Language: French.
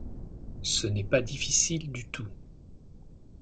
Ce n’est pas difficile du tout.